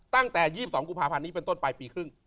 ตั้งแต่๒๒กุภัพรรณนี้เป็นต้นไปปีครึ่ง